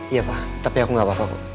iya pak tapi aku gak apa apa